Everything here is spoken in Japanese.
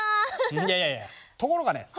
ところがね